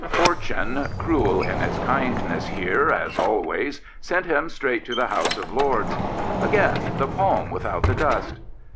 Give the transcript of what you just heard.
Fortune, cruel in its kindness here as always, sent him straight to the House of Lords. Again, the palm without the dust.